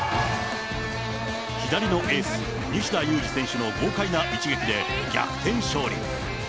左のエース、西田ゆうじ選手の豪快な一撃で逆転勝利。